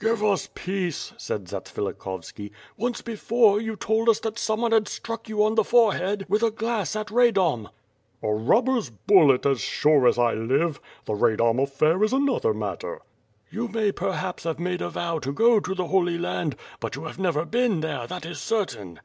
"Give us peace!" said Zatsvilikhovski. "Once before, you told us that some one had struck you on the forehead with a glass at Radom." "A robber's bullet, as sure as I live. The Radom affair is another matter." "You may perhaps have made a vow to go to the Holy Land, but you have never been there, that is certain."